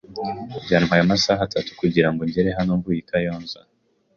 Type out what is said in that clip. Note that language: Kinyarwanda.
Byantwaye amasaha atatu kugirango ngere hano mvuye i Kayonza